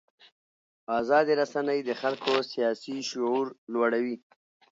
ازادې رسنۍ د خلکو سیاسي شعور لوړوي.